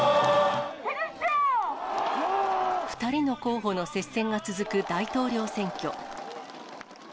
２人の候補の接戦が続く大統領選挙。